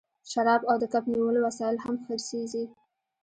شراب او د کب نیولو وسایل هم خرڅیږي